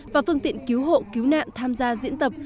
và phương tiện cứu hộ cứu nạn tham gia diễn tập